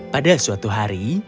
pada suatu hari